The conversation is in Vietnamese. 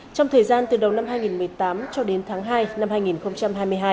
trong thời gian từ đầu năm hai nghìn một mươi tám cho đến tháng hai năm hai nghìn hai mươi hai